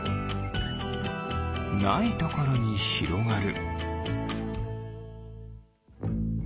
ないところにひろがる。